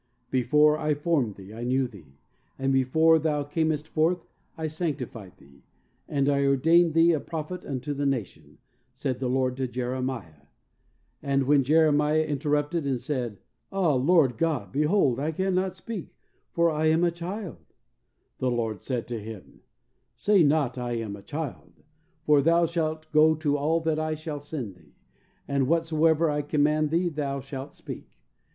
"Before I formed thee I knew thee, and before thou camest forth I sanctified thee, and I ordained thee a prophet unto the nation," said the Lord to Jeremiah, and when Jeremiah interrupted and said, "Ah, OBEDIENCE, 11 Lord God, behold I cannot speak, for I am a child," the Lord said to him, "Say not I am a child, for thou shalt go to all that I shall send thee, and whatsoever I command thee thou shalt speak.